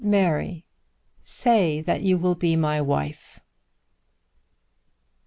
"Mary, say that you will be my wife."